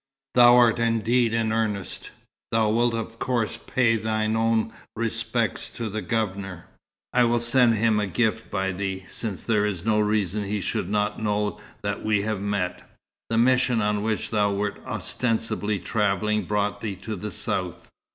"Thou art indeed in earnest! Thou wilt of course pay thine own respects to the Governor? I will send him a gift by thee, since there is no reason he should not know that we have met. The mission on which thou wert ostensibly travelling brought thee to the south."